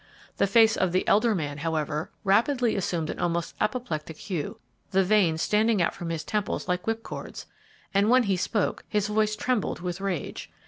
The face of the elder man, however, rapidly assumed an almost apoplectic hue, the veins standing out from his temples like whip cords, and when he spoke his voice trembled with rage.